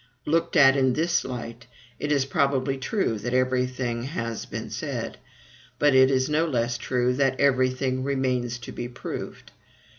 Looked at in this light, it is probably true that EVERY THING HAS BEEN SAID; but it is no less true that EVERY THING REMAINS TO BE PROVED.